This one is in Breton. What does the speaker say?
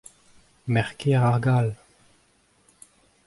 Merc'h-kaer ar Gall.